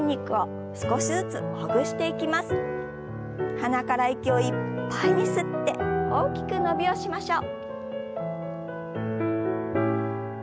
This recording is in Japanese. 鼻から息をいっぱいに吸って大きく伸びをしましょう。